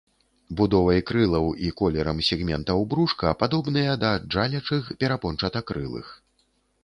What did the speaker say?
Будовай крылаў і колерам сегментаў брушка падобныя да джалячых перапончатакрылых.